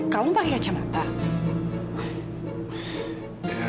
kamu pakai kacamata